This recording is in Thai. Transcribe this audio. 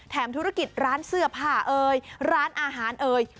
ธุรกิจร้านเสื้อผ้าเอ่ยร้านอาหารเอ่ย